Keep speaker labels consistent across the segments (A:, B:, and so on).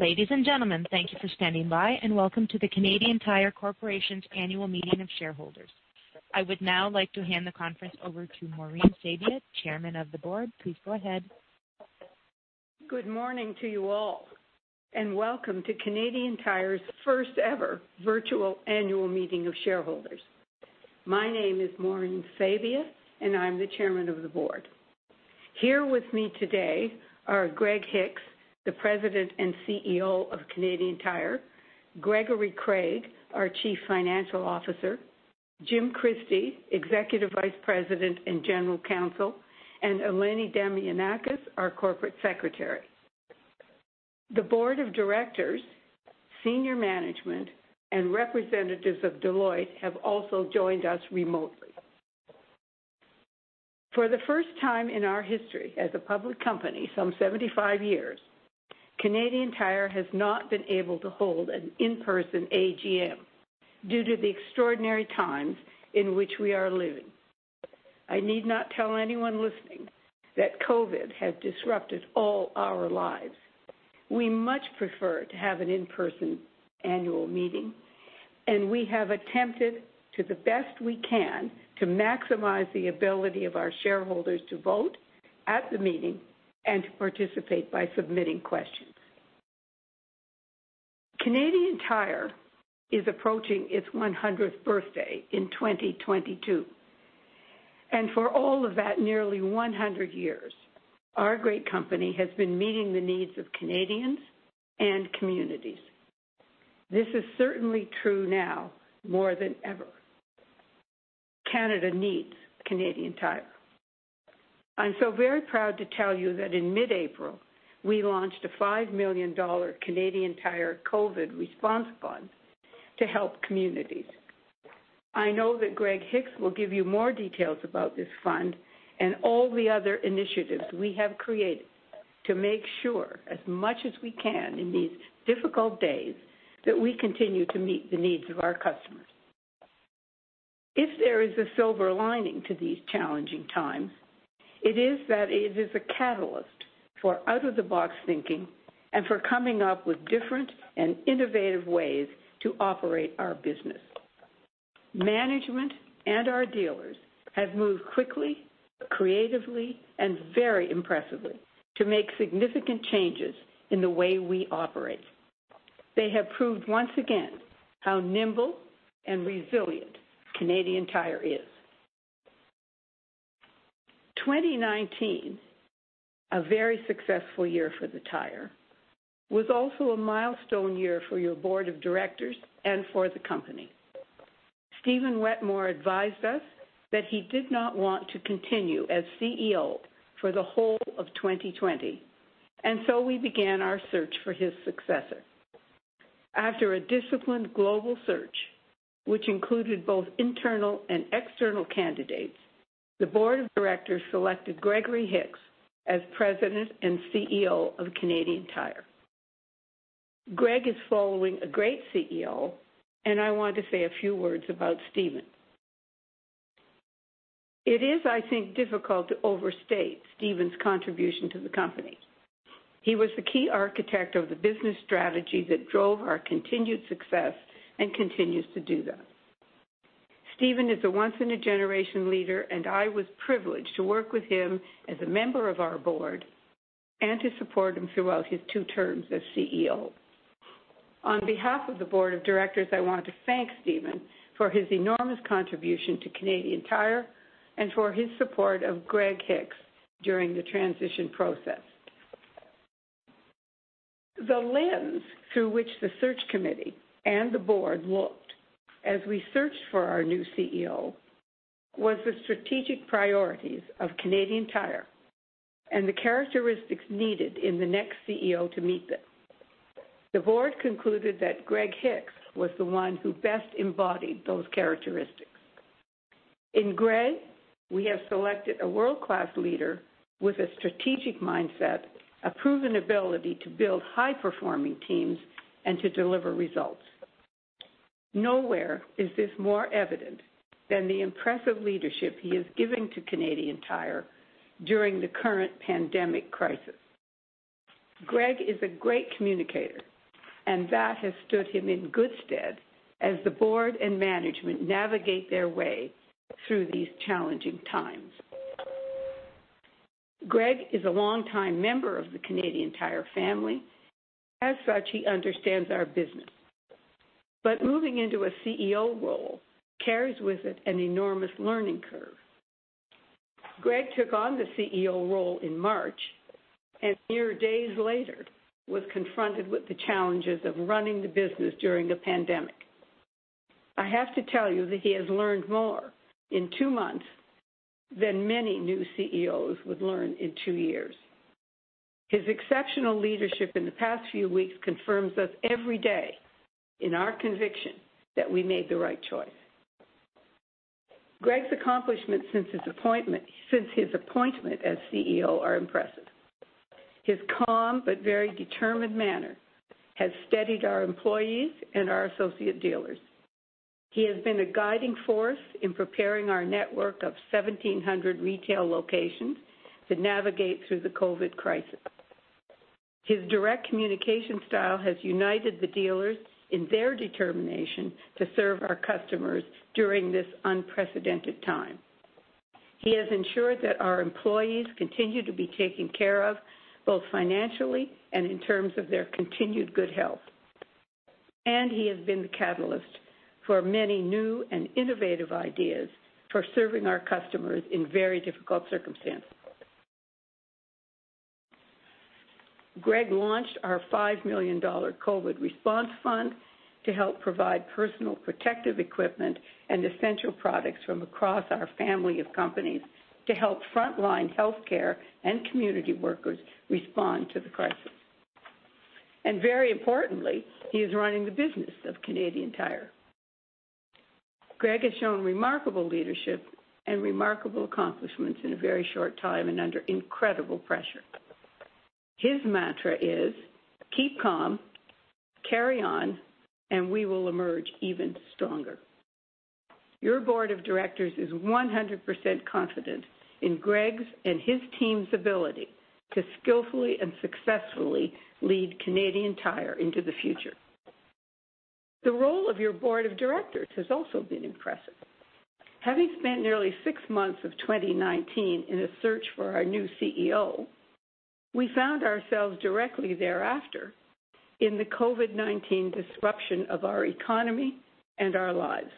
A: Ladies and gentlemen, thank you for standing by, and welcome to the Canadian Tire Corporation's annual meeting of shareholders. I would now like to hand the conference over to Maureen Sabia, Chairman of the Board. Please go ahead.
B: Good morning to you all, and welcome to Canadian Tire's first-ever virtual annual meeting of shareholders. My name is Maureen Sabia, and I'm the Chairman of the Board. Here with me today are Greg Hicks, the President and CEO of Canadian Tire; Gregory Craig, our Chief Financial Officer; Jim Christie, Executive Vice President and General Counsel; and Eleni Damianakis, our Corporate Secretary. The Board of Directors, senior management, and representatives of Deloitte have also joined us remotely. For the first time in our history as a public company, some 75 years, Canadian Tire has not been able to hold an in-person AGM due to the extraordinary times in which we are living. I need not tell anyone listening that COVID has disrupted all our lives. We much prefer to have an in-person annual meeting, and we have attempted, to the best we can, to maximize the ability of our shareholders to vote at the meeting and to participate by submitting questions. Canadian Tire is approaching its 100th birthday in 2022, and for all of that nearly 100 years, our great company has been meeting the needs of Canadians and communities. This is certainly true now more than ever. Canada needs Canadian Tire. I'm so very proud to tell you that in mid-April, we launched 5 million Canadian dollars Canadian Tire COVID response fund to help communities. I know that Greg Hicks will give you more details about this fund and all the other initiatives we have created to make sure, as much as we can in these difficult days, that we continue to meet the needs of our customers. If there is a silver lining to these challenging times, it is that it is a catalyst for out-of-the-box thinking and for coming up with different and innovative ways to operate our business. Management and our dealers have moved quickly, creatively, and very impressively to make significant changes in the way we operate. They have proved once again how nimble and resilient Canadian Tire is. 2019, a very successful year for Canadian Tire, was also a milestone year for your Board of Directors and for the company. Stephen Wetmore advised us that he did not want to continue as CEO for the whole of 2020, and so we began our search for his successor. After a disciplined global search, which included both internal and external candidates, the Board of Directors selected Gregory Hicks as President and CEO of Canadian Tire. Greg is following a great CEO, and I want to say a few words about Stephen. It is, I think, difficult to overstate Stephen's contribution to the company. He was the key architect of the business strategy that drove our continued success and continues to do that. Stephen is a once-in-a-generation leader, and I was privileged to work with him as a member of our board and to support him throughout his two terms as CEO. On behalf of the Board of Directors, I want to thank Stephen for his enormous contribution to Canadian Tire and for his support of Greg Hicks during the transition process. The lens through which the search committee and the board looked as we searched for our new CEO was the strategic priorities of Canadian Tire and the characteristics needed in the next CEO to meet them. The board concluded that Greg Hicks was the one who best embodied those characteristics. In Greg, we have selected a world-class leader with a strategic mindset, a proven ability to build high-performing teams, and to deliver results. Nowhere is this more evident than the impressive leadership he has given to Canadian Tire during the current pandemic crisis. Greg is a great communicator, and that has stood him in good stead as the board and management navigate their way through these challenging times. Greg is a longtime member of the Canadian Tire family. As such, he understands our business. But moving into a CEO role carries with it an enormous learning curve. Greg took on the CEO role in March and, mere days later, was confronted with the challenges of running the business during a pandemic. I have to tell you that he has learned more in two months than many new CEOs would learn in two years. His exceptional leadership in the past few weeks confirms us every day in our conviction that we made the right choice. Greg's accomplishments since his appointment as CEO are impressive. His calm but very determined manner has steadied our employees and our associate dealers. He has been a guiding force in preparing our network of 1,700 retail locations to navigate through the COVID-19 crisis. His direct communication style has united the dealers in their determination to serve our customers during this unprecedented time. He has ensured that our employees continue to be taken care of both financially and in terms of their continued good health, and he has been the catalyst for many new and innovative ideas for serving our customers in very difficult circumstances. Greg launched our 5 million dollar COVID-19 response fund to help provide personal protective equipment and essential products from across our family of companies to help frontline healthcare and community workers respond to the crisis, and very importantly, he is running the business of Canadian Tire. Greg has shown remarkable leadership and remarkable accomplishments in a very short time and under incredible pressure. His mantra is, "Keep calm, carry on, and we will emerge even stronger." Your Board of Directors is 100% confident in Greg's and his team's ability to skillfully and successfully lead Canadian Tire into the future. The role of your Board of Directors has also been impressive. Having spent nearly six months of 2019 in the search for our new CEO, we found ourselves directly thereafter in the COVID-19 disruption of our economy and our lives.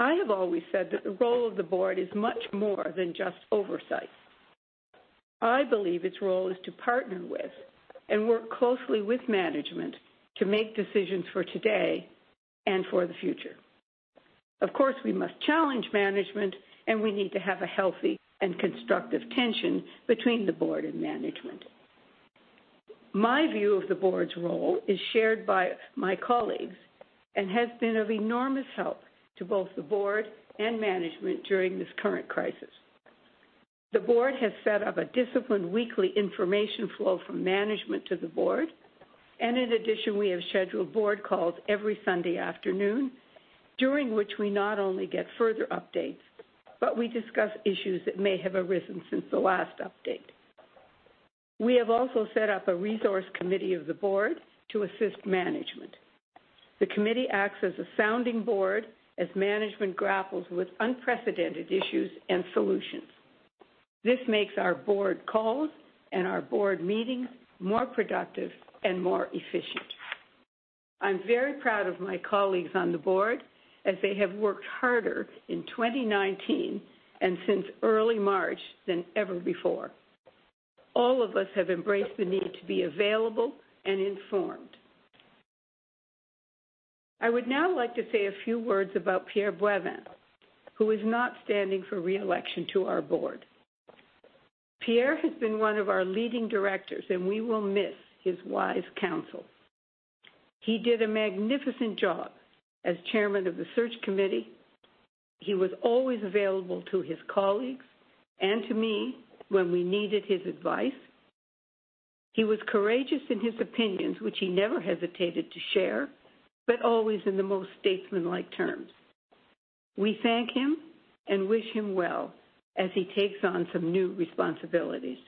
B: I have always said that the role of the board is much more than just oversight. I believe its role is to partner with and work closely with management to make decisions for today and for the future. Of course, we must challenge management, and we need to have a healthy and constructive tension between the board and management. My view of the board's role is shared by my colleagues and has been of enormous help to both the board and management during this current crisis. The board has set up a disciplined weekly information flow from management to the board, and in addition, we have scheduled board calls every Sunday afternoon, during which we not only get further updates, but we discuss issues that may have arisen since the last update. We have also set up a resource committee of the board to assist management. The committee acts as a sounding board as management grapples with unprecedented issues and solutions. This makes our board calls and our board meetings more productive and more efficient. I'm very proud of my colleagues on the board as they have worked harder in 2019 and since early March than ever before. All of us have embraced the need to be available and informed. I would now like to say a few words about Pierre Boivin, who is not standing for reelection to our board. Pierre has been one of our leading directors, and we will miss his wise counsel. He did a magnificent job as Chairman of the Search Committee. He was always available to his colleagues and to me when we needed his advice. He was courageous in his opinions, which he never hesitated to share, but always in the most statesmanlike terms. We thank him and wish him well as he takes on some new responsibilities.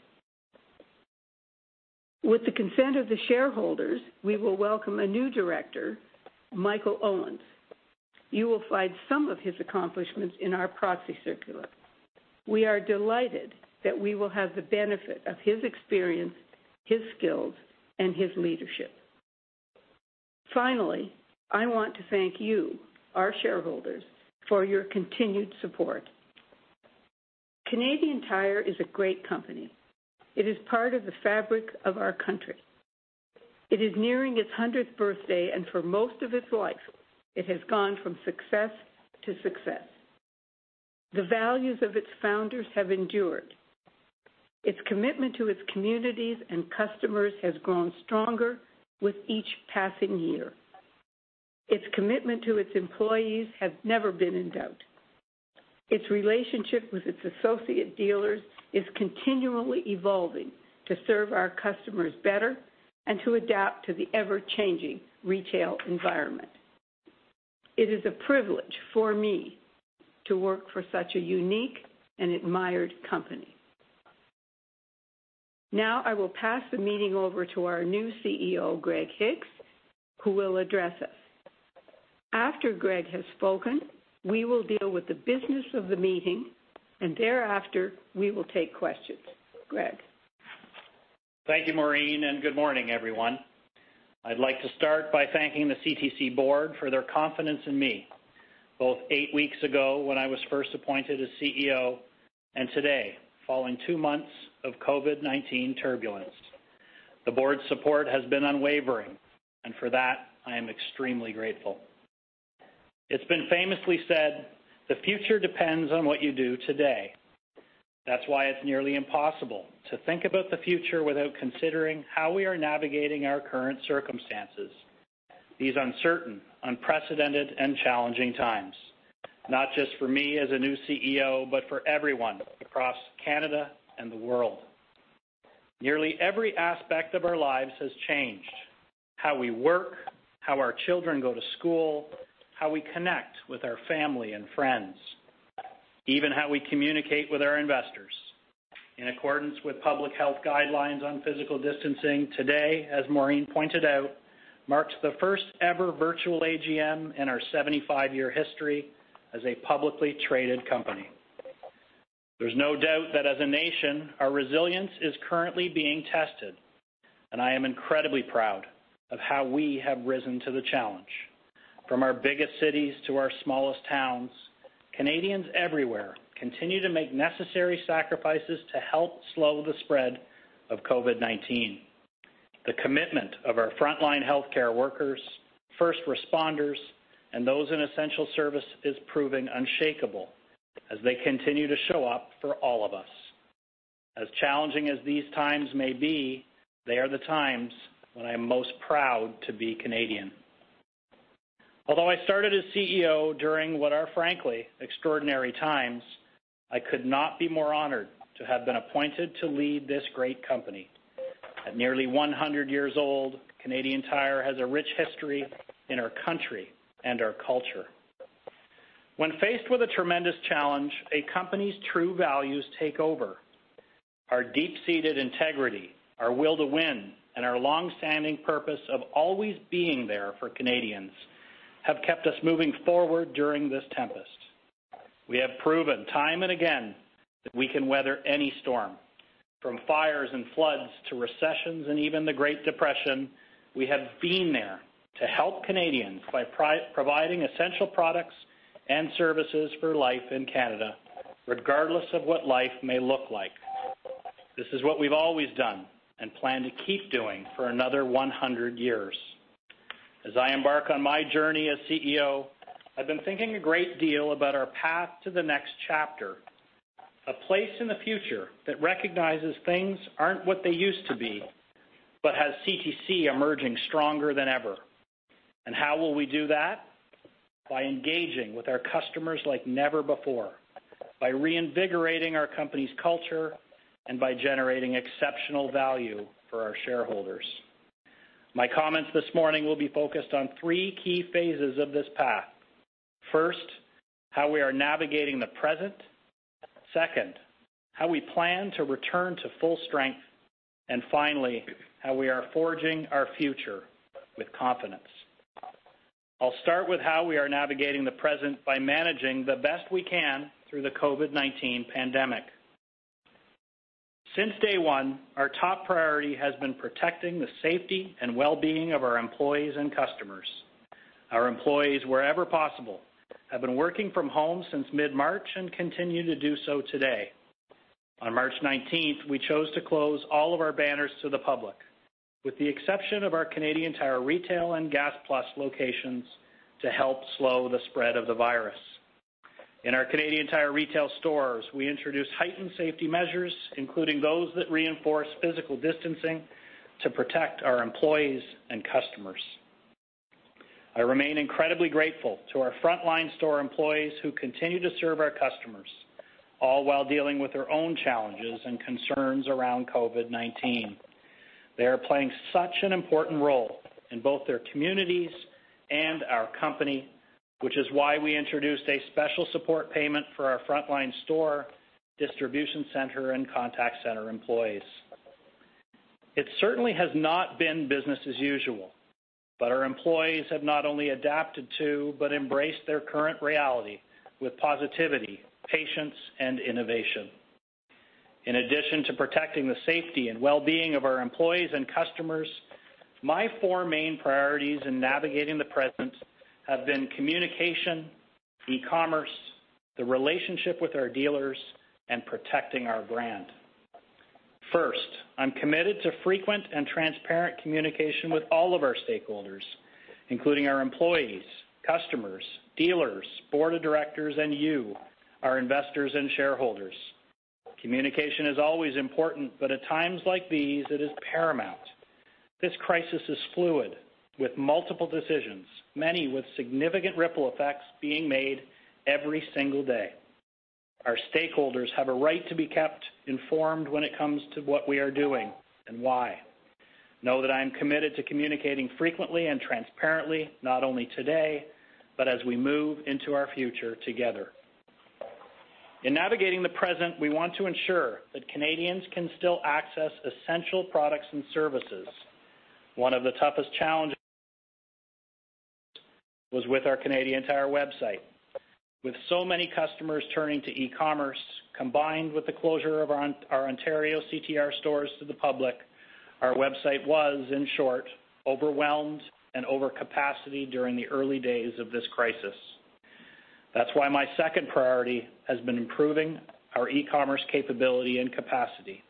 B: With the consent of the shareholders, we will welcome a new director, Michael Owens. You will find some of his accomplishments in our proxy circular. We are delighted that we will have the benefit of his experience, his skills, and his leadership. Finally, I want to thank you, our shareholders, for your continued support. Canadian Tire is a great company. It is part of the fabric of our country. It is nearing its 100th birthday, and for most of its life, it has gone from success to success. The values of its founders have endured. Its commitment to its communities and customers has grown stronger with each passing year. Its commitment to its employees has never been in doubt. Its relationship with its associate dealers is continually evolving to serve our customers better and to adapt to the ever-changing retail environment. It is a privilege for me to work for such a unique and admired company. Now I will pass the meeting over to our new CEO, Greg Hicks, who will address us. After Greg has spoken, we will deal with the business of the meeting, and thereafter we will take questions. Greg.
C: Thank you, Maureen, and good morning, everyone. I'd like to start by thanking the CTC board for their confidence in me, both eight weeks ago when I was first appointed as CEO and today, following two months of COVID-19 turbulence. The board's support has been unwavering, and for that, I am extremely grateful. It's been famously said, "The future depends on what you do today." That's why it's nearly impossible to think about the future without considering how we are navigating our current circumstances, these uncertain, unprecedented, and challenging times, not just for me as a new CEO, but for everyone across Canada and the world. Nearly every aspect of our lives has changed: how we work, how our children go to school, how we connect with our family and friends, even how we communicate with our investors. In accordance with public health guidelines on physical distancing, today, as Maureen pointed out, marks the first-ever virtual AGM in our 75-year history as a publicly traded company. There's no doubt that as a nation, our resilience is currently being tested, and I am incredibly proud of how we have risen to the challenge. From our biggest cities to our smallest towns, Canadians everywhere continue to make necessary sacrifices to help slow the spread of COVID-19. The commitment of our frontline healthcare workers, first responders, and those in essential services is proving unshakable as they continue to show up for all of us. As challenging as these times may be, they are the times when I am most proud to be Canadian. Although I started as CEO during what are frankly extraordinary times, I could not be more honored to have been appointed to lead this great company. At nearly 100 years old, Canadian Tire has a rich history in our country and our culture. When faced with a tremendous challenge, a company's true values take over. Our deep-seated integrity, our will to win, and our long-standing purpose of always being there for Canadians have kept us moving forward during this tempest. We have proven time and again that we can weather any storm. From fires and floods to recessions and even the Great Depression, we have been there to help Canadians by providing essential products and services for life in Canada, regardless of what life may look like. This is what we've always done and plan to keep doing for another 100 years. As I embark on my journey as CEO, I've been thinking a great deal about our path to the next chapter, a place in the future that recognizes things aren't what they used to be, but has CTC emerging stronger than ever. And how will we do that? By engaging with our customers like never before, by reinvigorating our company's culture, and by generating exceptional value for our shareholders. My comments this morning will be focused on three key phases of this path. First, how we are navigating the present. Second, how we plan to return to full strength. And finally, how we are forging our future with confidence. I'll start with how we are navigating the present by managing the best we can through the COVID-19 pandemic. Since day one, our top priority has been protecting the safety and well-being of our employees and customers. Our employees, wherever possible, have been working from home since mid-March and continue to do so today. On March 19th, we chose to close all of our banners to the public, with the exception of our Canadian Tire Retail and Gas Plus locations, to help slow the spread of the virus. In our Canadian Tire Retail stores, we introduced heightened safety measures, including those that reinforce physical distancing to protect our employees and customers. I remain incredibly grateful to our frontline store employees who continue to serve our customers, all while dealing with their own challenges and concerns around COVID-19. They are playing such an important role in both their communities and our company, which is why we introduced a special support payment for our frontline store, distribution center, and contact center employees. It certainly has not been business as usual, but our employees have not only adapted to but embraced their current reality with positivity, patience, and innovation. In addition to protecting the safety and well-being of our employees and customers, my four main priorities in navigating the present have been communication, e-commerce, the relationship with our dealers, and protecting our brand. First, I'm committed to frequent and transparent communication with all of our stakeholders, including our employees, customers, dealers, board of directors, and you, our investors and shareholders. Communication is always important, but at times like these, it is paramount. This crisis is fluid, with multiple decisions, many with significant ripple effects being made every single day. Our stakeholders have a right to be kept informed when it comes to what we are doing and why. Know that I am committed to communicating frequently and transparently, not only today, but as we move into our future together. In navigating the present, we want to ensure that Canadians can still access essential products and services. One of the toughest challenges was with our Canadian Tire website. With so many customers turning to e-commerce, combined with the closure of our Ontario CTR stores to the public, our website was, in short, overwhelmed and overcapacity during the early days of this crisis. That's why my second priority has been improving our e-commerce capability and capacity.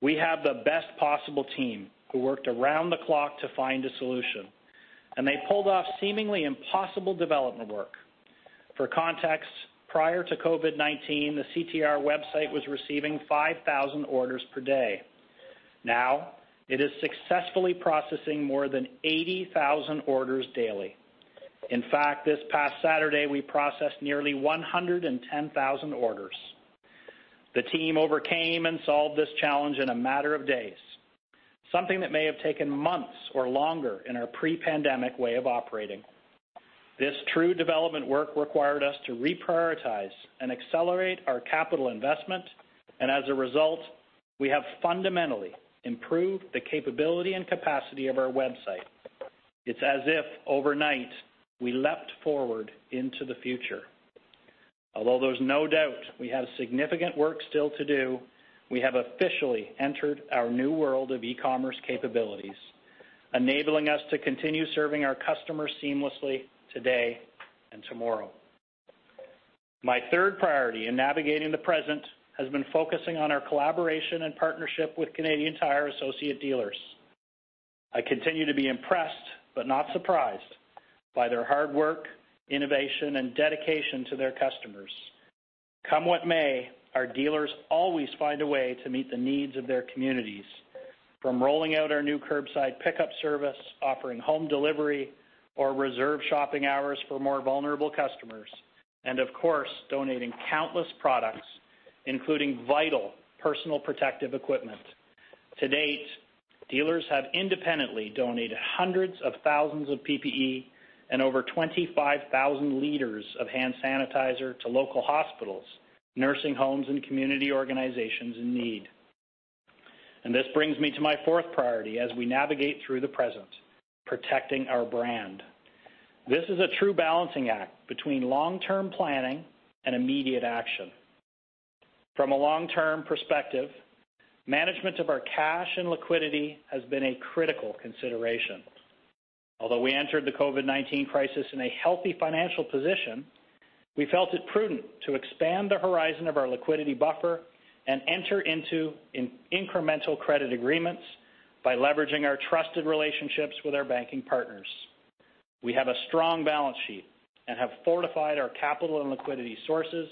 C: We have the best possible team who worked around the clock to find a solution, and they pulled off seemingly impossible development work. For context, prior to COVID-19, the CTR website was receiving 5,000 orders per day. Now it is successfully processing more than 80,000 orders daily. In fact, this past Saturday, we processed nearly 110,000 orders. The team overcame and solved this challenge in a matter of days, something that may have taken months or longer in our pre-pandemic way of operating. This true development work required us to reprioritize and accelerate our capital investment, and as a result, we have fundamentally improved the capability and capacity of our website. It's as if overnight we leapt forward into the future. Although there's no doubt we have significant work still to do, we have officially entered our new world of e-commerce capabilities, enabling us to continue serving our customers seamlessly today and tomorrow. My third priority in navigating the present has been focusing on our collaboration and partnership with Canadian Tire associate dealers. I continue to be impressed but not surprised by their hard work, innovation, and dedication to their customers. Come what may, our dealers always find a way to meet the needs of their communities, from rolling out our new curbside pickup service, offering home delivery, or reserve shopping hours for more vulnerable customers, and of course, donating countless products, including vital personal protective equipment. To date, dealers have independently donated hundreds of thousands of PPE and over 25,000 liters of hand sanitizer to local hospitals, nursing homes, and community organizations in need. This brings me to my fourth priority as we navigate through the present: protecting our brand. This is a true balancing act between long-term planning and immediate action. From a long-term perspective, management of our cash and liquidity has been a critical consideration. Although we entered the COVID-19 crisis in a healthy financial position, we felt it prudent to expand the horizon of our liquidity buffer and enter into incremental credit agreements by leveraging our trusted relationships with our banking partners. We have a strong balance sheet and have fortified our capital and liquidity sources,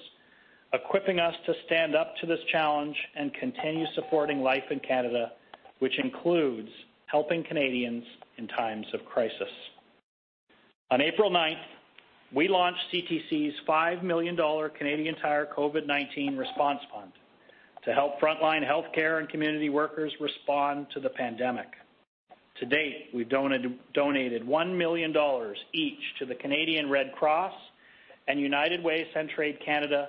C: equipping us to stand up to this challenge and continue supporting life in Canada, which includes helping Canadians in times of crisis. On April 9th, we launched CTC's 5 million Canadian dollars Canadian Tire COVID-19 response fund to help frontline healthcare and community workers respond to the pandemic. To date, we've donated 1 million dollars each to the Canadian Red Cross and United Way Centraide Canada,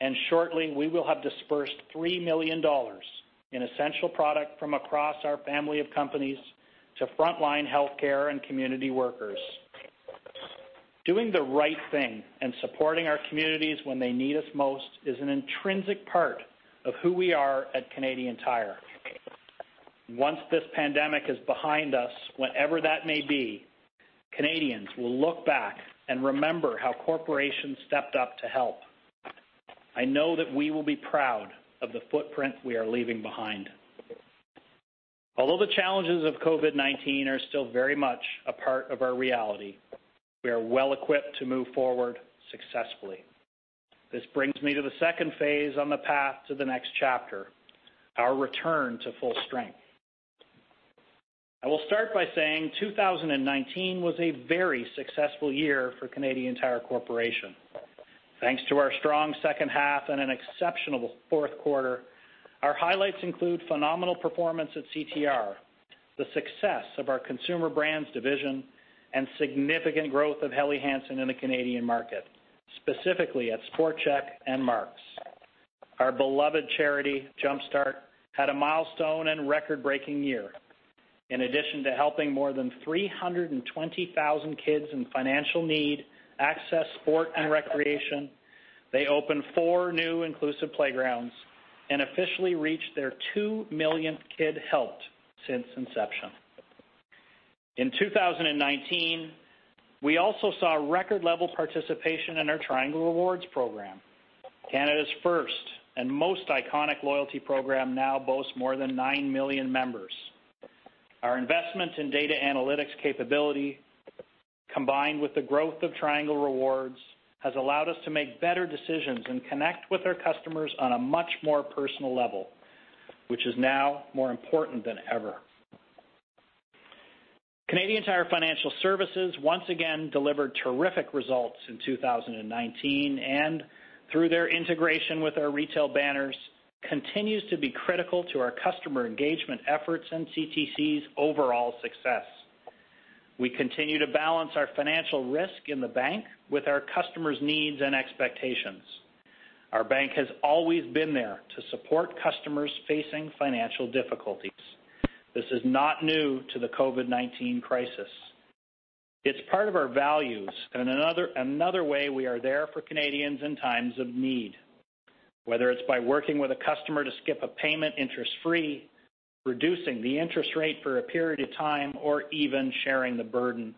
C: and shortly, we will have dispersed 3 million dollars in essential products from across our family of companies to frontline healthcare and community workers. Doing the right thing and supporting our communities when they need us most is an intrinsic part of who we are at Canadian Tire. Once this pandemic is behind us, whenever that may be, Canadians will look back and remember how corporations stepped up to help. I know that we will be proud of the footprint we are leaving behind. Although the challenges of COVID-19 are still very much a part of our reality, we are well equipped to move forward successfully. This brings me to the second phase on the path to the next chapter: our return to full strength. I will start by saying 2019 was a very successful year for Canadian Tire Corporation. Thanks to our strong second half and an exceptional fourth quarter, our highlights include phenomenal performance at CTR, the success of our consumer brands division, and significant growth of Helly Hansen in the Canadian market, specifically at Sport Chek and Mark's. Our beloved charity, Jumpstart, had a milestone and record-breaking year. In addition to helping more than 320,000 kids in financial need access sport and recreation, they opened four new inclusive playgrounds and officially reached their 2 millionth kid helped since inception. In 2019, we also saw record-level participation in our Triangle Rewards program, Canada's first and most iconic loyalty program now boasts more than 9 million members. Our investment in data analytics capability, combined with the growth of Triangle Rewards, has allowed us to make better decisions and connect with our customers on a much more personal level, which is now more important than ever. Canadian Tire Financial Services once again delivered terrific results in 2019 and, through their integration with our retail banners, continues to be critical to our customer engagement efforts and CTC's overall success. We continue to balance our financial risk in the bank with our customers' needs and expectations. Our bank has always been there to support customers facing financial difficulties. This is not new to the COVID-19 crisis. It's part of our values and another way we are there for Canadians in times of need. Whether it's by working with a customer to skip a payment interest-free, reducing the interest rate for a period of time, or even sharing the burden,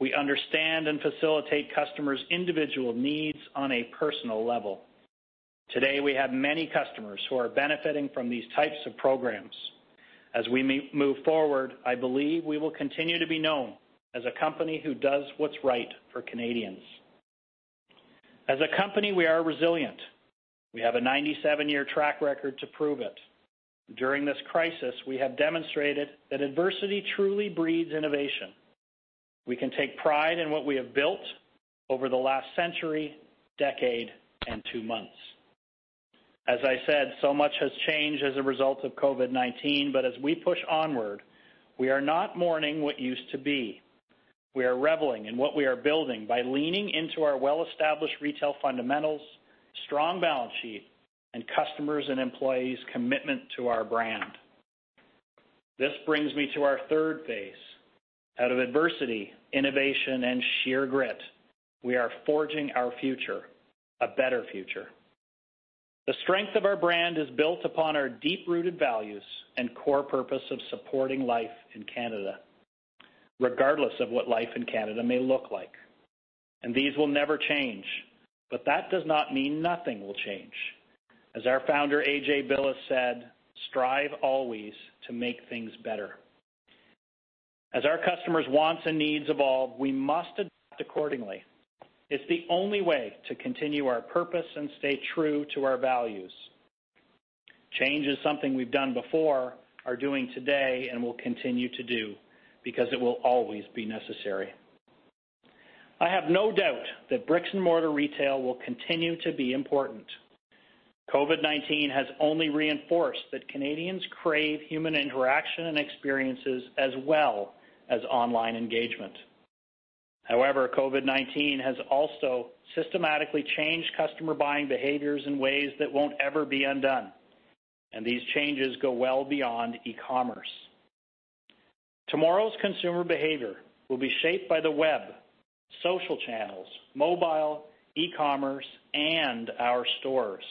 C: we understand and facilitate customers' individual needs on a personal level. Today, we have many customers who are benefiting from these types of programs. As we move forward, I believe we will continue to be known as a company who does what's right for Canadians. As a company, we are resilient. We have a 97-year track record to prove it. During this crisis, we have demonstrated that adversity truly breeds innovation. We can take pride in what we have built over the last century, decade, and two months. As I said, so much has changed as a result of COVID-19, but as we push onward, we are not mourning what used to be. We are reveling in what we are building by leaning into our well-established retail fundamentals, strong balance sheet, and customers' and employees' commitment to our brand. This brings me to our third phase. Out of adversity, innovation, and sheer grit, we are forging our future, a better future. The strength of our brand is built upon our deep-rooted values and core purpose of supporting life in Canada, regardless of what life in Canada may look like. And these will never change, but that does not mean nothing will change. As our founder, A.J. Billes, said, "Strive always to make things better." As our customers' wants and needs evolve, we must adapt accordingly. It's the only way to continue our purpose and stay true to our values. Change is something we've done before, are doing today, and will continue to do because it will always be necessary. I have no doubt that bricks-and-mortar retail will continue to be important. COVID-19 has only reinforced that Canadians crave human interaction and experiences as well as online engagement. However, COVID-19 has also systematically changed customer buying behaviors in ways that won't ever be undone, and these changes go well beyond e-commerce. Tomorrow's consumer behavior will be shaped by the web, social channels, mobile e-commerce, and our stores.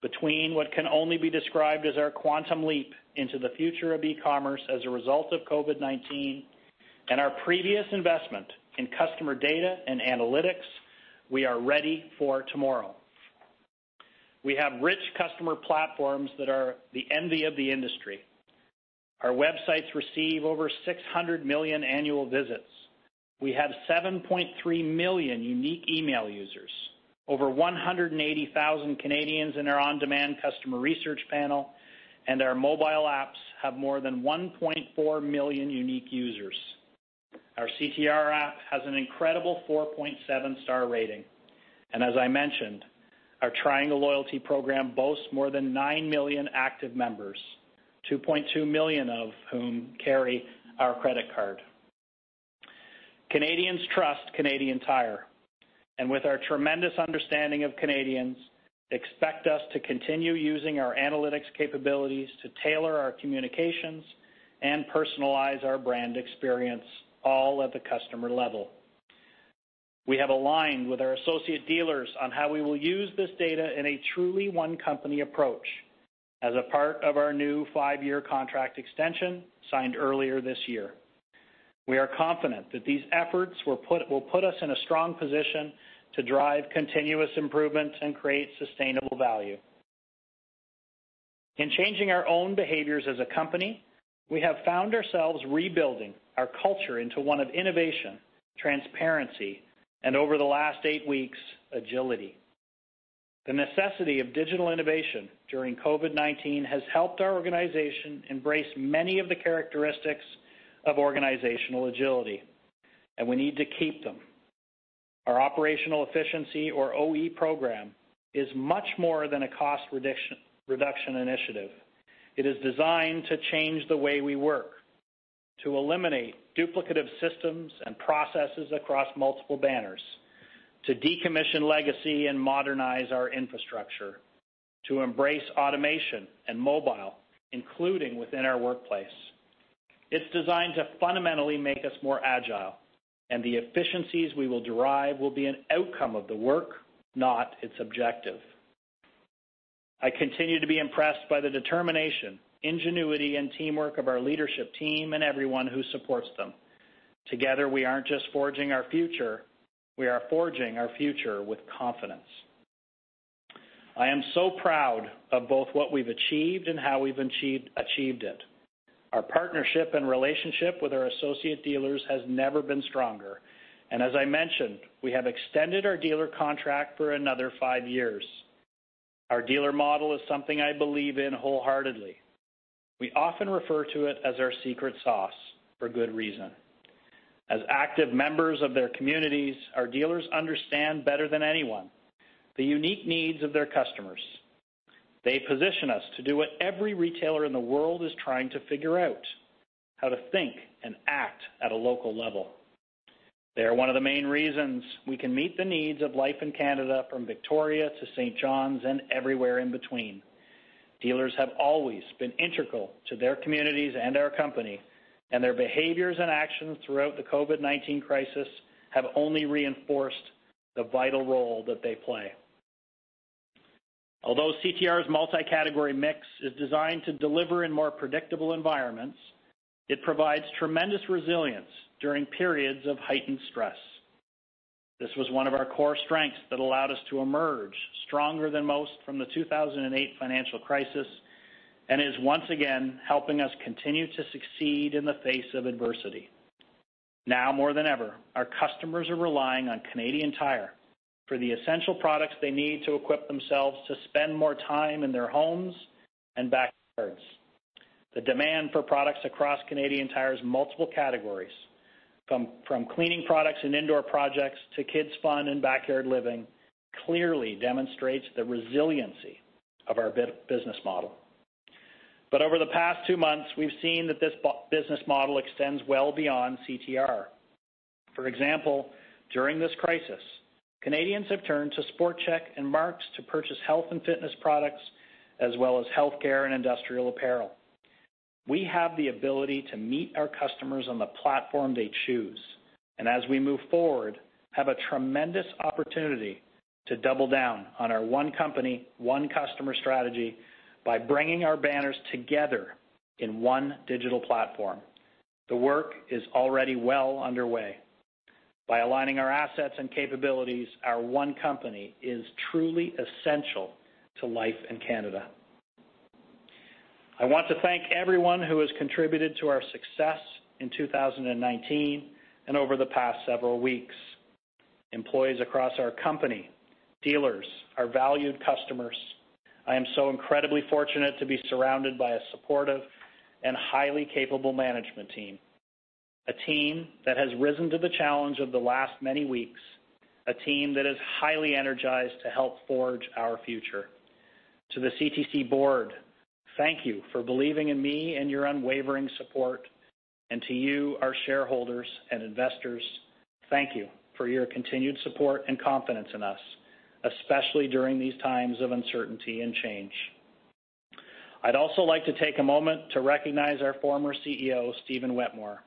C: Between what can only be described as our quantum leap into the future of e-commerce as a result of COVID-19 and our previous investment in customer data and analytics, we are ready for tomorrow. We have rich customer platforms that are the envy of the industry. Our websites receive over 600 million annual visits. We have 7.3 million unique email users, over 180,000 Canadians in our on-demand customer research panel, and our mobile apps have more than 1.4 million unique users. Our CTR app has an incredible 4.7-star rating, and as I mentioned, our Triangle Loyalty Program boasts more than nine million active members, 2.2 million of whom carry our credit card. Canadians trust Canadian Tire, and with our tremendous understanding of Canadians, expect us to continue using our analytics capabilities to tailor our communications and personalize our brand experience, all at the customer level. We have aligned with our associate dealers on how we will use this data in a truly one-company approach as a part of our new five-year contract extension signed earlier this year. We are confident that these efforts will put us in a strong position to drive continuous improvement and create sustainable value. In changing our own behaviors as a company, we have found ourselves rebuilding our culture into one of innovation, transparency, and over the last eight weeks, agility. The necessity of digital innovation during COVID-19 has helped our organization embrace many of the characteristics of organizational agility, and we need to keep them. Our operational efficiency, or OE, program is much more than a cost reduction initiative. It is designed to change the way we work, to eliminate duplicative systems and processes across multiple banners, to decommission legacy and modernize our infrastructure, to embrace automation and mobile, including within our workplace. It's designed to fundamentally make us more agile, and the efficiencies we will derive will be an outcome of the work, not its objective. I continue to be impressed by the determination, ingenuity, and teamwork of our leadership team and everyone who supports them. Together, we aren't just forging our future. We are forging our future with confidence. I am so proud of both what we've achieved and how we've achieved it. Our partnership and relationship with our associate dealers has never been stronger, and as I mentioned, we have extended our dealer contract for another five years. Our dealer model is something I believe in wholeheartedly. We often refer to it as our secret sauce for good reason. As active members of their communities, our dealers understand better than anyone the unique needs of their customers. They position us to do what every retailer in the world is trying to figure out: how to think and act at a local level. They are one of the main reasons we can meet the needs of life in Canada, from Victoria to St. John's and everywhere in between. Dealers have always been integral to their communities and our company, and their behaviors and actions throughout the COVID-19 crisis have only reinforced the vital role that they play. Although CTR's multi-category mix is designed to deliver in more predictable environments, it provides tremendous resilience during periods of heightened stress. This was one of our core strengths that allowed us to emerge stronger than most from the 2008 financial crisis and is once again helping us continue to succeed in the face of adversity. Now more than ever, our customers are relying on Canadian Tire for the essential products they need to equip themselves to spend more time in their homes and backyards. The demand for products across Canadian Tire's multiple categories, from cleaning products and indoor projects to kids' fun and backyard living, clearly demonstrates the resiliency of our business model. But over the past two months, we've seen that this business model extends well beyond CTR. For example, during this crisis, Canadians have turned to SportChek and Mark's to purchase health and fitness products as well as healthcare and industrial apparel. We have the ability to meet our customers on the platform they choose, and as we move forward, have a tremendous opportunity to double down on our one company, one customer strategy by bringing our banners together in one digital platform. The work is already well underway. By aligning our assets and capabilities, our one company is truly essential to life in Canada. I want to thank everyone who has contributed to our success in 2019 and over the past several weeks: employees across our company, dealers, our valued customers. I am so incredibly fortunate to be surrounded by a supportive and highly capable management team, a team that has risen to the challenge of the last many weeks, a team that is highly energized to help forge our future. To the CTC board, thank you for believing in me and your unwavering support, and to you, our shareholders and investors, thank you for your continued support and confidence in us, especially during these times of uncertainty and change. I'd also like to take a moment to recognize our former CEO, Stephen Wetmore.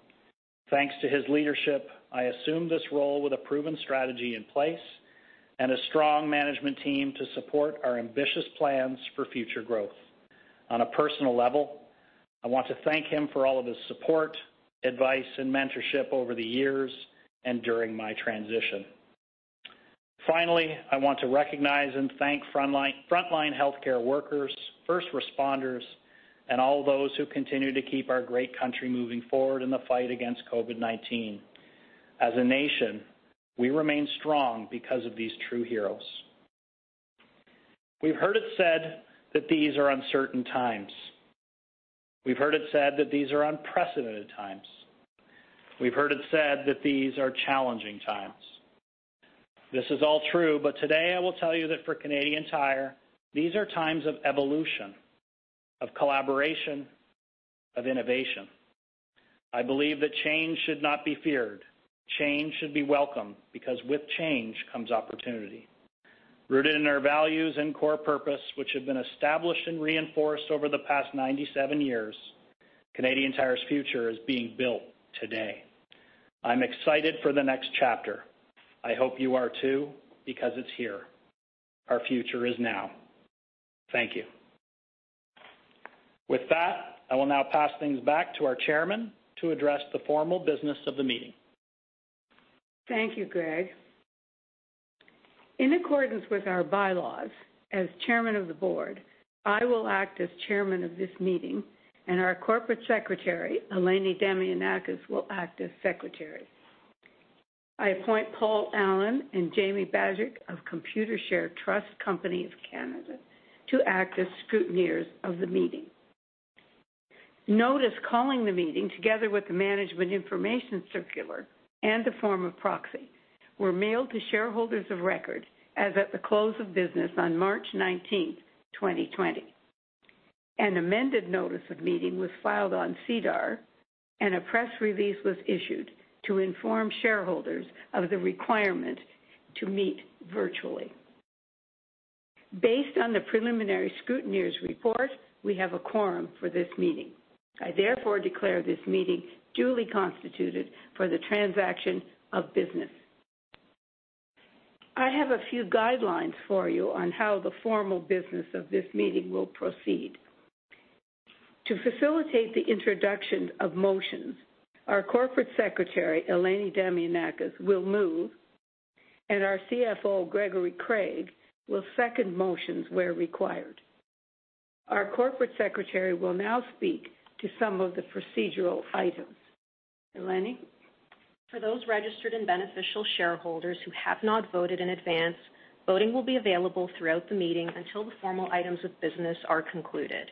C: Thanks to his leadership, I assumed this role with a proven strategy in place and a strong management team to support our ambitious plans for future growth. On a personal level, I want to thank him for all of his support, advice, and mentorship over the years and during my transition. Finally, I want to recognize and thank frontline healthcare workers, first responders, and all those who continue to keep our great country moving forward in the fight against COVID-19. As a nation, we remain strong because of these true heroes. We've heard it said that these are uncertain times. We've heard it said that these are unprecedented times. We've heard it said that these are challenging times. This is all true, but today I will tell you that for Canadian Tire, these are times of evolution, of collaboration, of innovation. I believe that change should not be feared. Change should be welcome because with change comes opportunity. Rooted in our values and core purpose, which have been established and reinforced over the past 97 years, Canadian Tire's future is being built today. I'm excited for the next chapter. I hope you are too because it's here. Our future is now. Thank you. With that, I will now pass things back to our chairman to address the formal business of the meeting. Thank you, Greg. In accordance with our bylaws, as chairman of the board, I will act as chairman of this meeting, and our corporate secretary, Eleni Damianakis, will act as secretary. I appoint Paul Allen and Jamie Bajak of Computershare Trust Company of Canada to act as scrutineers of the meeting. Notice calling the meeting, together with the management information circular and the form of proxy, were mailed to shareholders of record as at the close of business on March 19, 2020. An amended notice of meeting was filed on SEDAR, and a press release was issued to inform shareholders of the requirement to meet virtually. Based on the preliminary scrutineer's report, we have a quorum for this meeting. I therefore declare this meeting duly constituted for the transaction of business. I have a few guidelines for you on how the formal business of this meeting will proceed. To facilitate the introduction of motions, our Corporate Secretary, Eleni Damianakis, will move, and our CFO, Gregory Craig, will second motions where required. Our Corporate Secretary will now speak to some of the procedural items. Eleni.
D: For those registered and beneficial shareholders who have not voted in advance, voting will be available throughout the meeting until the formal items of business are concluded.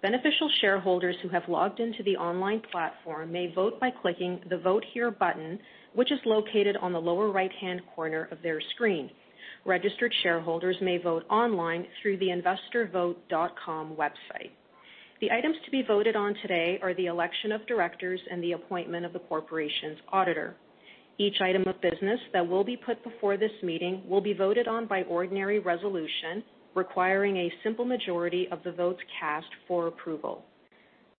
D: Beneficial shareholders who have logged into the online platform may vote by clicking the Vote Here button, which is located on the lower right-hand corner of their screen. Registered shareholders may vote online through the investorvote.com website. The items to be voted on today are the election of directors and the appointment of the corporation's auditor. Each item of business that will be put before this meeting will be voted on by ordinary resolution, requiring a simple majority of the votes cast for approval.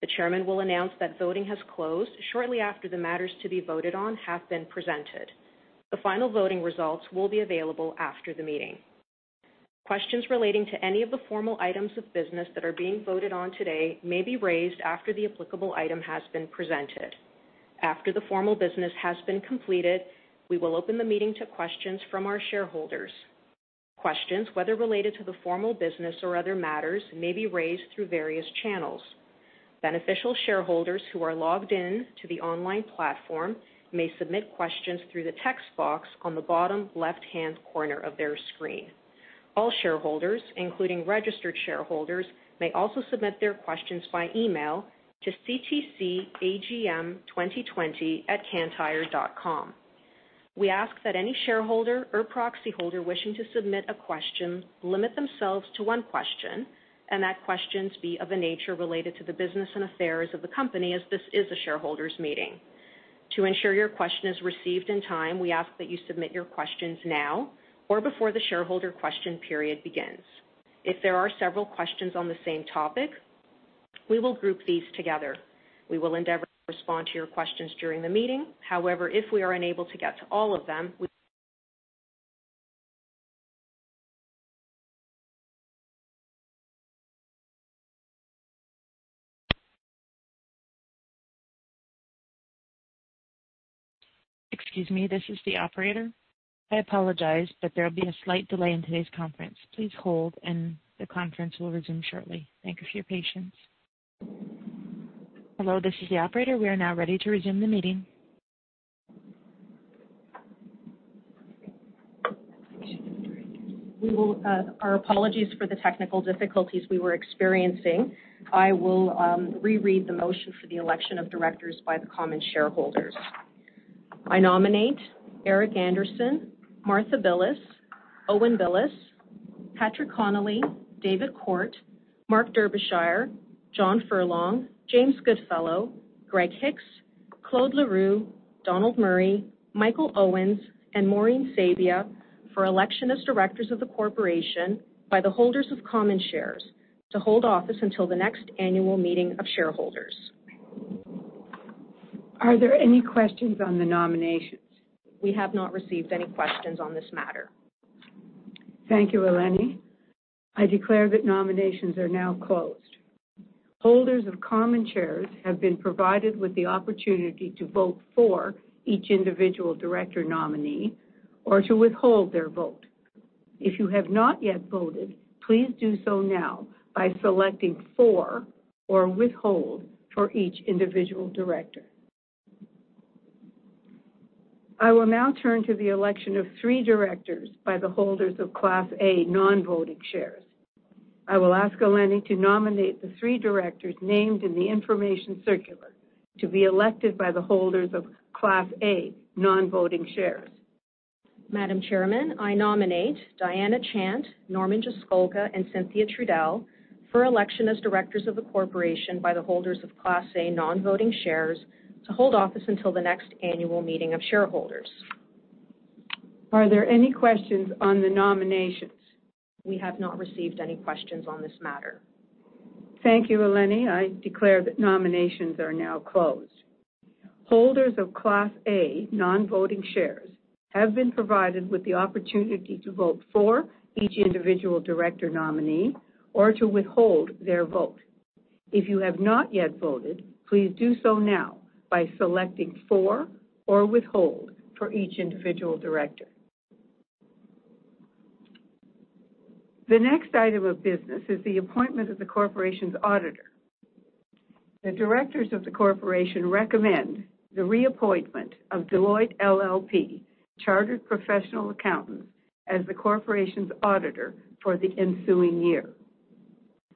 D: The chairman will announce that voting has closed shortly after the matters to be voted on have been presented. The final voting results will be available after the meeting. Questions relating to any of the formal items of business that are being voted on today may be raised after the applicable item has been presented. After the formal business has been completed, we will open the meeting to questions from our shareholders. Questions, whether related to the formal business or other matters, may be raised through various channels. Beneficial shareholders who are logged in to the online platform may submit questions through the text box on the bottom left-hand corner of their screen. All shareholders, including registered shareholders, may also submit their questions by email to ctcagm2020@cantire.com. We ask that any shareholder or proxy holder wishing to submit a question limit themselves to one question, and that questions be of a nature related to the business and affairs of the company, as this is a shareholders' meeting. To ensure your question is received in time, we ask that you submit your questions now or before the shareholder question period begins. If there are several questions on the same topic, we will group these together. We will endeavor to respond to your questions during the meeting. However, if we are unable to get to all of them, we...
A: Excuse me, this is the operator. I apologize, but there will be a slight delay in today's conference. Please hold, and the conference will resume shortly. Thank you for your patience. Hello, this is the operator. We are now ready to resume the meeting.
D: Our apologies for the technical difficulties we were experiencing. I will reread the motion for the election of directors by the common shareholders. I nominate Eric Anderson, Martha Billes, Owen Billes, Patrick Connolly, David Court, Mark Derbyshire, John Furlong, James Goodfellow, Greg Hicks, Claude L'Heureux, Donald Murray, Michael Owens, and Maureen Sabia for election as directors of the corporation by the holders of common shares to hold office until the next annual meeting of shareholders.
B: Are there any questions on the nominations?
D: We have not received any questions on this matter.
B: Thank you, Eleni. I declare that nominations are now closed. Holders of Common Shares have been provided with the opportunity to vote for each individual director nominee or to withhold their vote. If you have not yet voted, please do so now by selecting for or withhold for each individual director. I will now turn to the election of three directors by the holders of Class A Non-Voting Shares. I will ask Eleni to nominate the three directors named in the information circular to be elected by the holders of Class A Non-Voting Shares.
D: Madam Chairman, I nominate Diana Chant, Norman Jeskolka, and Cynthia Trudell for election as directors of the corporation by the holders of Class A Non-Voting Shares to hold office until the next annual meeting of shareholders.
B: Are there any questions on the nominations?
D: We have not received any questions on this matter.
B: Thank you, Eleni. I declare that nominations are now closed. Holders of Class A Non-Voting Shares have been provided with the opportunity to vote for each individual director nominee or to withhold their vote. If you have not yet voted, please do so now by selecting for or withhold for each individual director. The next item of business is the appointment of the corporation's auditor. The directors of the corporation recommend the reappointment of Deloitte LLP Chartered Professional Accountants as the corporation's auditor for the ensuing year.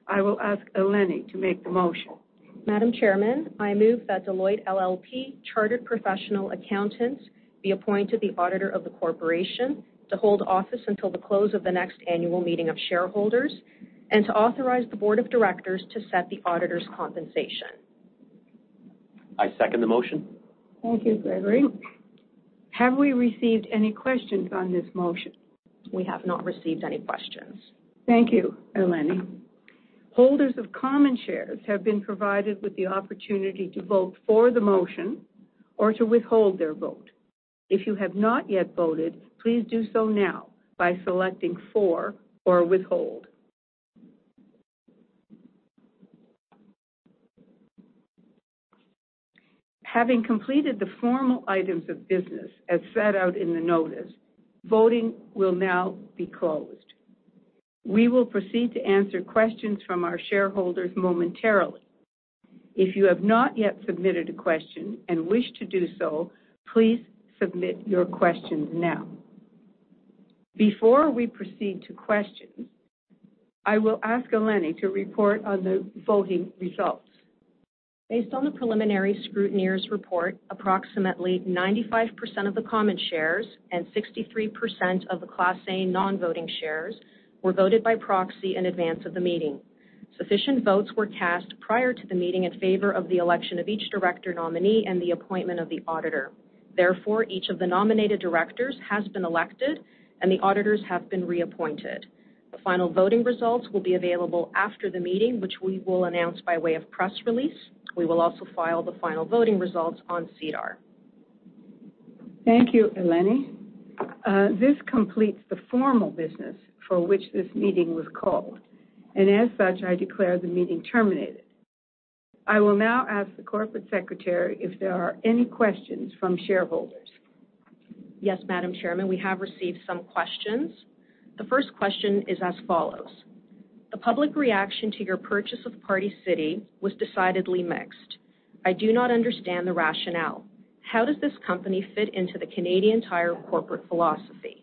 B: I will ask Eleni to make the motion.
D: Madam Chairman, I move that Deloitte LLP Chartered Professional Accountants be appointed the auditor of the corporation to hold office until the close of the next annual meeting of shareholders and to authorize the board of directors to set the auditor's compensation.
E: I second the motion.
B: Thank you, Gregory. Have we received any questions on this motion?
D: We have not received any questions.
B: Thank you, Eleni. Holders of common shares have been provided with the opportunity to vote for the motion or to withhold their vote. If you have not yet voted, please do so now by selecting for or withhold. Having completed the formal items of business as set out in the notice, voting will now be closed. We will proceed to answer questions from our shareholders momentarily. If you have not yet submitted a question and wish to do so, please submit your questions now. Before we proceed to questions, I will ask Eleni to report on the voting results.
D: Based on the preliminary scrutineer's report, approximately 95% of the Common Shares and 63% of the Class A Non-Voting Shares were voted by proxy in advance of the meeting. Sufficient votes were cast prior to the meeting in favor of the election of each director nominee and the appointment of the auditor. Therefore, each of the nominated directors has been elected, and the auditors have been reappointed. The final voting results will be available after the meeting, which we will announce by way of press release. We will also file the final voting results on SEDAR.
B: Thank you, Eleni. This completes the formal business for which this meeting was called, and as such, I declare the meeting terminated. I will now ask the corporate secretary if there are any questions from shareholders.
D: Yes, Madam Chairman, we have received some questions. The first question is as follows. The public reaction to your purchase of Party City was decidedly mixed. I do not understand the rationale. How does this company fit into the Canadian Tire corporate philosophy?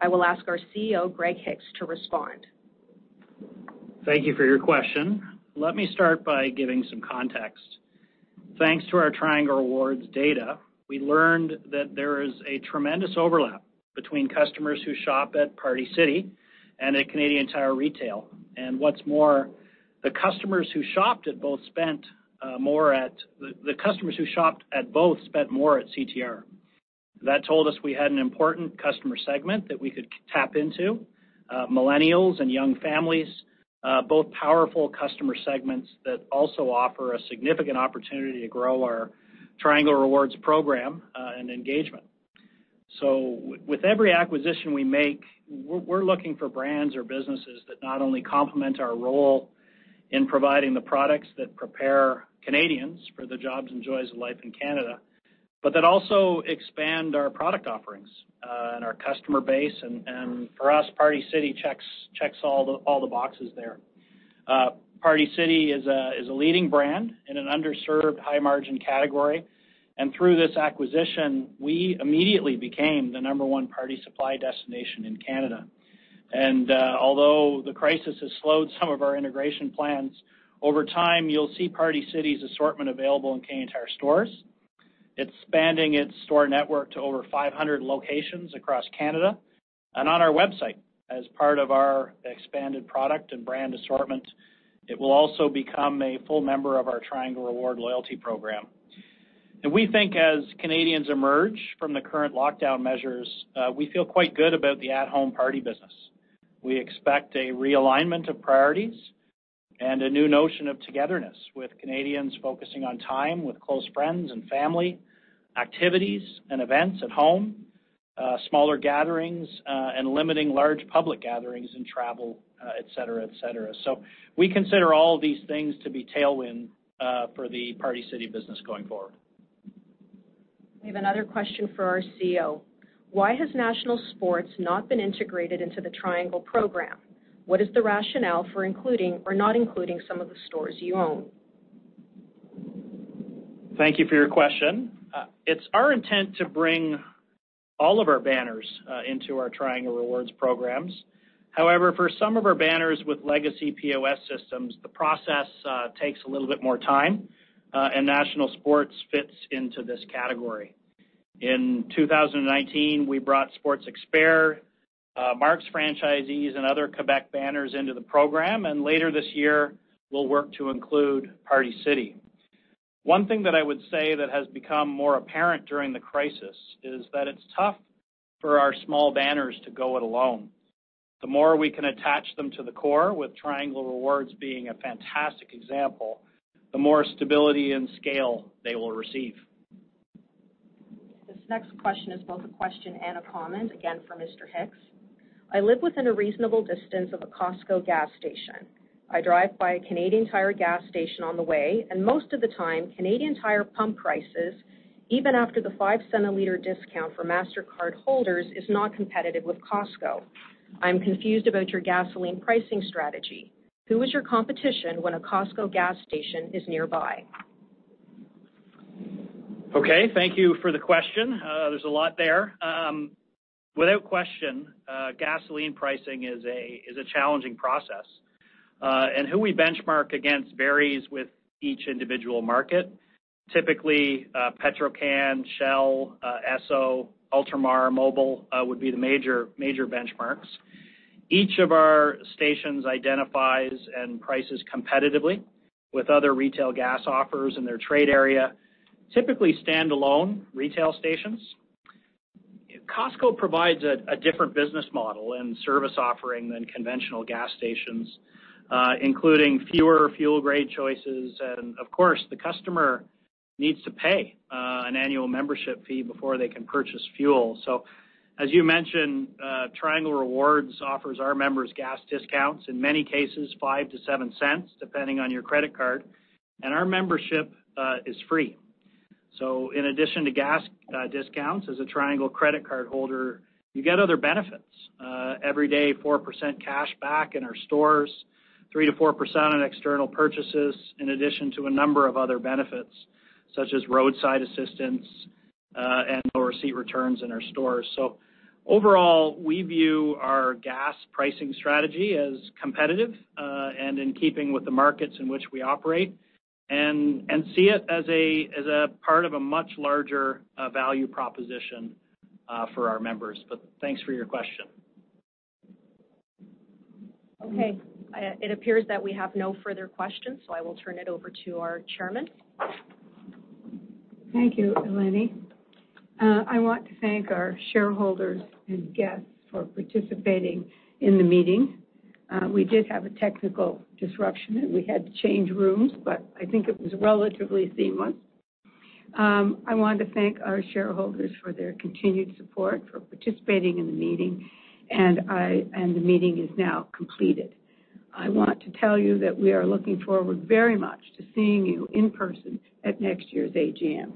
D: I will ask our CEO, Greg Hicks, to respond.
C: Thank you for your question. Let me start by giving some context. Thanks to our Triangle Rewards data, we learned that there is a tremendous overlap between customers who shop at Party City and at Canadian Tire Retail. And what's more, the customers who shopped at both spent more at CTR. That told us we had an important customer segment that we could tap into: millennials and young families, both powerful customer segments that also offer a significant opportunity to grow our Triangle Rewards program and engagement. So with every acquisition we make, we're looking for brands or businesses that not only complement our role in providing the products that prepare Canadians for the jobs and joys of life in Canada, but that also expand our product offerings and our customer base. And for us, Party City checks all the boxes there. Party City is a leading brand in an underserved, high-margin category. And through this acquisition, we immediately became the number one party supply destination in Canada. And although the crisis has slowed some of our integration plans, over time, you'll see Party City's assortment available in Canadian Tire stores. It's expanding its store network to over 500 locations across Canada. And on our website, as part of our expanded product and brand assortment, it will also become a full member of our Triangle Rewards loyalty program. And we think as Canadians emerge from the current lockdown measures, we feel quite good about the at-home party business. We expect a realignment of priorities and a new notion of togetherness with Canadians focusing on time with close friends and family, activities and events at home, smaller gatherings, and limiting large public gatherings and travel, et cetera, et cetera. So we consider all of these things to be tailwind for the Party City business going forward.
D: We have another question for our CEO. Why has National Sports not been integrated into the Triangle program? What is the rationale for including or not including some of the stores you own?
C: Thank you for your question. It's our intent to bring all of our banners into our Triangle Rewards programs. However, for some of our banners with legacy POS systems, the process takes a little bit more time, and National Sports fits into this category. In 2019, we brought Sports Experts, Mark's franchisees, and other Quebec banners into the program. Later this year, we'll work to include Party City. One thing that I would say that has become more apparent during the crisis is that it's tough for our small banners to go it alone. The more we can attach them to the core, with Triangle Rewards being a fantastic example, the more stability and scale they will receive.
D: This next question is both a question and a comment, again for Mr. Hicks. I live within a reasonable distance of a Costco gas station. I drive by a Canadian Tire gas station on the way, and most of the time, Canadian Tire pump prices, even after the five cents per liter discount for Mastercard holders, is not competitive with Costco. I'm confused about your gasoline pricing strategy. Who is your competition when a Costco gas station is nearby?
C: Okay, thank you for the question. There's a lot there. Without question, gasoline pricing is a challenging process, and who we benchmark against varies with each individual market. Typically, Petro-Canada, Shell, Esso, Ultramar, Mobil would be the major benchmarks. Each of our stations identifies and prices competitively with other retail gas offers in their trade area, typically standalone retail stations. Costco provides a different business model and service offering than conventional gas stations, including fewer fuel-grade choices, and of course, the customer needs to pay an annual membership fee before they can purchase fuel, so as you mentioned, Triangle Rewards offers our members gas discounts, in many cases, 0.05-0.07, depending on your credit card, and our membership is free. So in addition to gas discounts, as a Triangle credit card holder, you get other benefits: every day, 4% cash back in our stores, 3%-4% on external purchases, in addition to a number of other benefits, such as roadside assistance and lower rate returns in our stores. So overall, we view our gas pricing strategy as competitive and in keeping with the markets in which we operate and see it as a part of a much larger value proposition for our members. But thanks for your question.
D: Okay. It appears that we have no further questions, so I will turn it over to our Chairman.
B: Thank you, Eleni. I want to thank our shareholders and guests for participating in the meeting. We did have a technical disruption, and we had to change rooms, but I think it was relatively seamless. I want to thank our shareholders for their continued support for participating in the meeting, and the meeting is now completed. I want to tell you that we are looking forward very much to seeing you in person at next year's AGM.